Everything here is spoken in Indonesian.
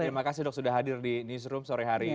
terima kasih dok sudah hadir di newsroom sore hari ini